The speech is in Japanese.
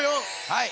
はい。